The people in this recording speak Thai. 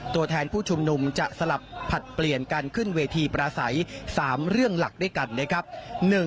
ตัวแทนผู้ชุมนุมจะสลับผลัดเปลี่ยนการขึ้นเวทีปราศัย๓เรื่องหลักด้วยกันนะครับ